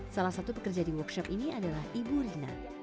salah satu pekerja di workshop ini adalah ibu rina